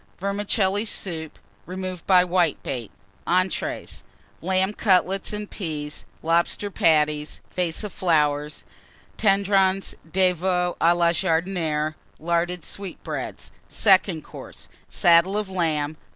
Vermicelli Soup, removed by Whitebait. Entrées. Lamb Cutlets and Peas. Lobster Patties. Vase of Tendrons de Veau Flowers. à la Jardinière. Larded Sweetbreads. Second Course. Saddle of Lamb.